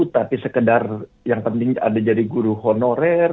tapi sekedar yang penting ada jadi guru honorer